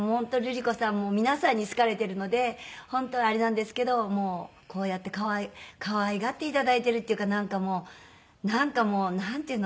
もう皆さんに好かれてるので本当はあれなんですけどもうこうやって可愛がっていただいてるっていうかなんかもうなんかもうなんていうの？